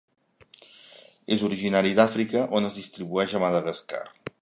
És originari d'Àfrica on es distribueix a Madagascar.